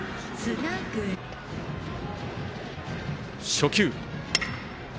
初球。